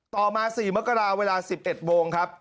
ต่อมา๔มกราเวลา๑๑โมงครับ